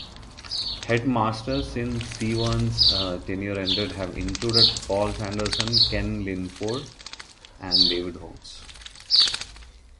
Headmasters since Seaverns' tenure ended have included Paul Sanderson, Ken Lindfors and David Holmes.